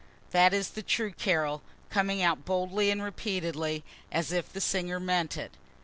that is a true carol, coming out boldly and repeatedly, as if the singer meant it.)